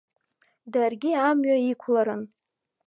Даргьы амҩа иқәларын.